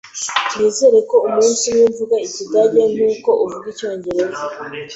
Nizere ko umunsi umwe mvuga Ikidage nkuko uvuga Icyongereza.